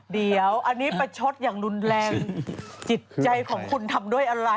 เดี๋ยวอันนี้ประชดอย่างรุนแรงจิตใจของคุณทำด้วยอะไร